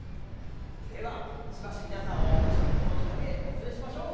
では、しばし皆さんを馬車鉄道の旅へご招待しましょう。